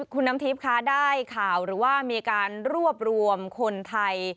คุณน้ำทิพย์คะได้ข่าวหรือว่ามีการรวบรวมคนไทย